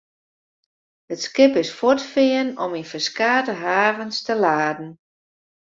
It skip is fuortfearn om yn ferskate havens te laden.